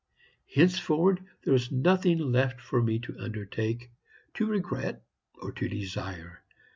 Henceforward there was nothing left for me to undertake, to regret, or to desire.